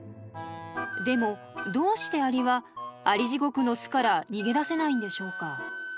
でもどうしてアリはアリジゴクの巣から逃げ出せないんでしょうか。